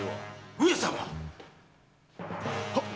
上様！